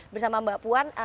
bersama mbak puan